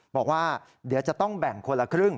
บอกว่าเดี๋ยวจะต้องแบ่งคนละครึ่ง